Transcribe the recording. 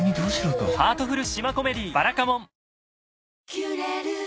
「キュレル」